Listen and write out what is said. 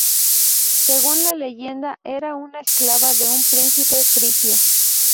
Según la leyenda, era una esclava de un príncipe frigio.